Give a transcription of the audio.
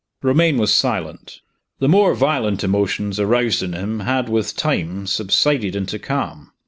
Romayne was silent. The more violent emotions aroused in him had, with time, subsided into calm.